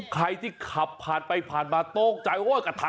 ใครที่ขับผ่านไปมาโตกใจกระทะ